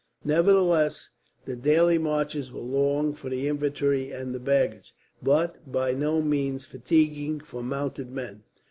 Nevertheless, the daily marches were long for the infantry and the baggage, but by no means fatiguing for mounted men.